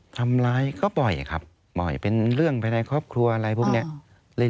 ทำร้ายก็บ่อยครับบ่อยเป็นเรื่องภายในครอบครัวอะไรพวกนี้